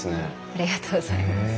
ありがとうございます。